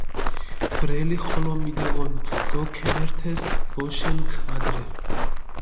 ბრელი ხოლო მიდეჸონ დო ქემერთეს ბოშენქ ადრე.